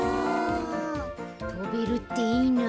とべるっていいな。